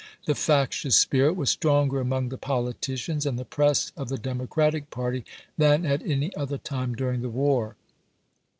The factious spirit was stronger among the politicians and the press of the 24 ABKAHAM LINCOLN Chap. I. Democratic party than at any other time during the war.